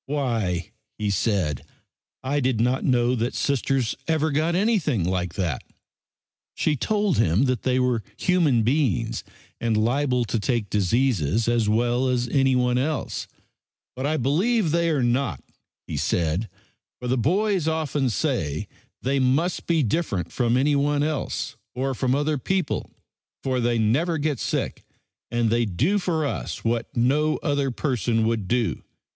"Why," he said, "I did not know that Sisters ever got anything like that." She told him that they were human beings and liable to take diseases as well as anyone else. "But I believe they are not," he said, "for the boys often say they must be different from anyone else, or from other people, for they never get sick and they do for us what no other person would do.